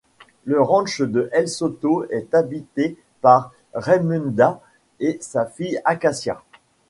Le ranch de El Soto est habitée par Raymunda et sa fille Acacia.